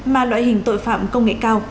mà loại hình tội phạm công nghệ cao